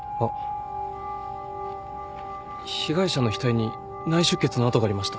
被害者の額に内出血の痕がありました。